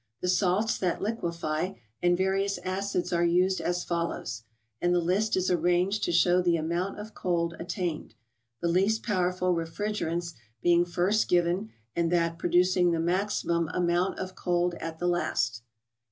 The salts that liquefy, and various acids are used as follows; and the list is arranged to show the amount of cold attained, the least powerful refrigerants being first given, and that producing the maximum amount of cold at the last.